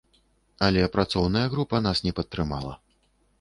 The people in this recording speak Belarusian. Але працоўная група нас не падтрымала.